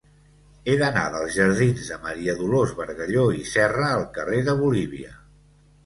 He d'anar dels jardins de Maria Dolors Bargalló i Serra al carrer de Bolívia.